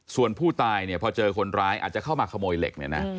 ส่วนผู้ตายเนี่ยพอเจอคนร้ายอาจจะเข้ามาขโมยเหล็กเนี่ยนะ